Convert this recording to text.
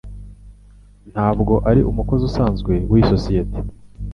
Ntabwo ari umukozi usanzwe wiyi sosiyete.